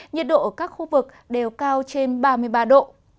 nhiệt độ ở các khu vực đều cao trên ba mươi ba độ